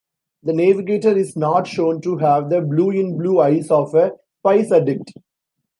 The Navigator is not shown to have the blue-in-blue eyes of a spice addict.